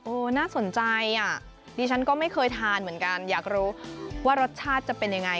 น่าสนใจอ่ะดิฉันก็ไม่เคยทานเหมือนกันอยากรู้ว่ารสชาติจะเป็นยังไง